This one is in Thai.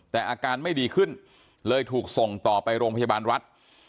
แต่อาการไม่ดีขึ้นเลยถูกส่งต่อไปโรงพยาบาลรัฐ